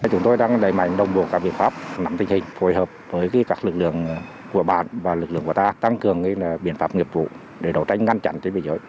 chúng tôi đang đẩy mạnh đồng bộ các biện pháp nắm tình hình phối hợp với các lực lượng của bàn và lực lượng của ta tăng cường biện pháp nghiệp vụ để đấu tranh ngăn chặn tình hình